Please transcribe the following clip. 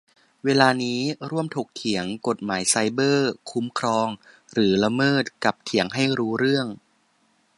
เวลานี้ร่วมถกเถียง : กฎหมายไซเบอร์ คุ้มครอง หรือ ละเมิด ? กับเถียงให้รู้เรื่อง